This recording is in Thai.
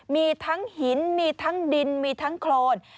มีทั้งหินมีทั้งดินมีทั้งโครน